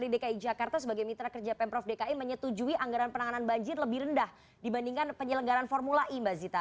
dki jakarta sebagai mitra kerja pemprov dki menyetujui anggaran penanganan banjir lebih rendah dibandingkan penyelenggaran formula e mbak zita